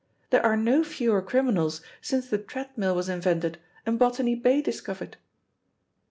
There are no fewer criminals since the tread mill was invented and Botany Bay discovered."